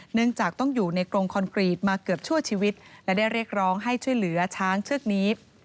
เนื่องจากต้องอยู่ในกรงคอนกรีตมาเกือบชั่วชีวิตและได้เรียกร้องให้ช่วยเหลือช้างเชือกนี้